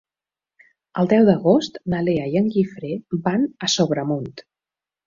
El deu d'agost na Lea i en Guifré van a Sobremunt.